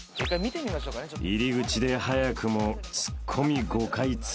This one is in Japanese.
［入り口で早くもツッコミ５回追加］